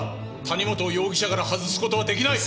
谷本を容疑者から外す事は出来ない！